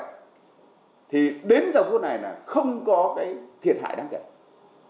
thì đến dòng quốc này là không có cái thiệt hại đáng chạy